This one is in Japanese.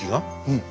うん。